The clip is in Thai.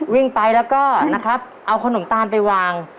วิ่งไปแล้วก็นะครับเอาขนมตาลไปวาง